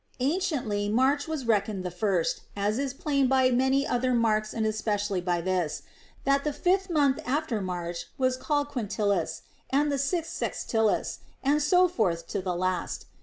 Anciently March Avas reckoned the first, as is plain by many other marks and especially by this, that the fifth month from March was called Quintilis, and the sixth Sextilis, and so forward to the last.